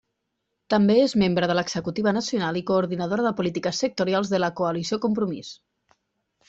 També és membre de l'executiva nacional i coordinadora de polítiques sectorials de la Coalició Compromís.